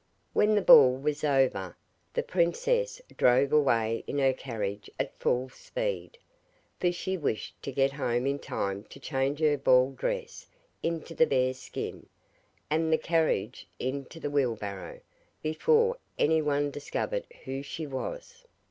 When the ball was over, the princess drove away in her carriage at full speed, for she wished to get home in time to change her ball dress into the bear's skin, and the carriage into the wheel barrow, before anyone discovered who she was.